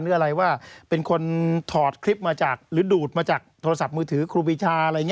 หรืออะไรว่าเป็นคนถอดคลิปมาจากหรือดูดมาจากโทรศัพท์มือถือครูปีชาอะไรอย่างนี้